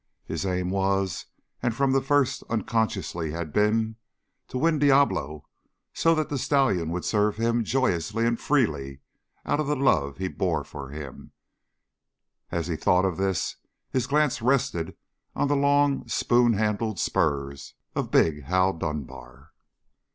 His aim was, and from the first unconsciously had been, to win Diablo so that the stallion would serve him joyously and freely out of the love he bore him. As he thought of this, his glance rested on the long, spoon handled spurs of big Hal Dunbar.